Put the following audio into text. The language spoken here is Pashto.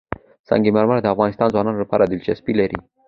سنگ مرمر د افغان ځوانانو لپاره دلچسپي لري.